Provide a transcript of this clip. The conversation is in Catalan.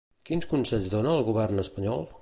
Quins consells dona al govern espanyol?